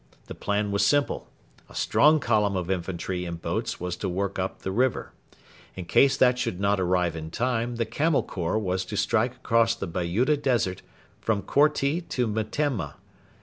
The plan was simple. A strong column of infantry in boats was to work up the river. In case that should not arrive in time, the Camel Corps was to strike across the Bayuda Desert from Korti to Metemma.